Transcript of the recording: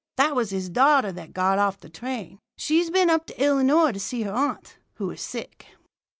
That was his daughter that got off the train. She's been up to Illinois to see her aunt, who is sick.'